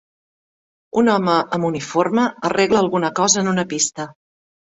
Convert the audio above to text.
Un home amb uniforme arregla alguna cosa en una pista.